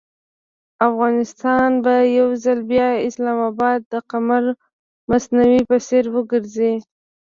افغانستان به یو ځل بیا د اسلام اباد د قمر مصنوعي په څېر وګرځي.